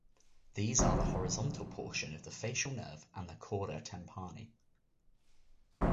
These are the horizontal portion of the facial nerve and the chorda tympani.